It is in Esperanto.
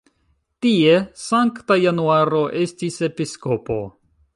Tie Sankta Januaro estis episkopo.